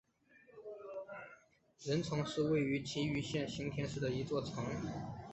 忍城是位在崎玉县行田市的一座城。